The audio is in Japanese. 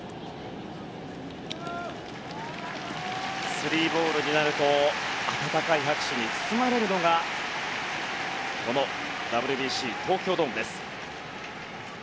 スリーボールになると温かい拍手に包まれるのがこのＷＢＣ、東京ドームです。